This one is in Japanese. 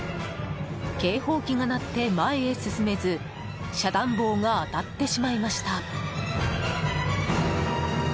警報機が鳴って前へ進めず遮断棒が当たってしまいました。